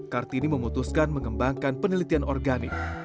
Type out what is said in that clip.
kartini memutuskan mengembangkan penelitian organik